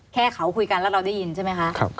แค่เขาคุยกันแล้วเราได้ยินใช่ไหมคะ